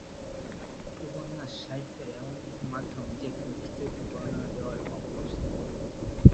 উপন্যাস সাহিত্যের এমন একটি মাধ্যম যেখানে বিস্তারিত বর্ণনা দেওয়ার অবকাশ থাকে।